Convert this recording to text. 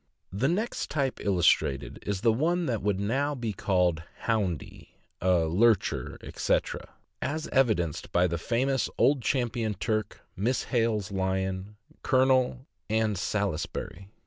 The next type illustrated is the one that would now be called "houndy," a "lurcher," etc., as evidenced by the famous Old Champion Turk, Miss Kale's Lion, Colonel, and Salisbury.